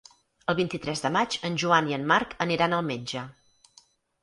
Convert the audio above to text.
El vint-i-tres de maig en Joan i en Marc aniran al metge.